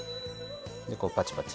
こうパチパチ。